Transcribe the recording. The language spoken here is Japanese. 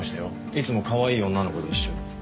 いつもかわいい女の子と一緒に。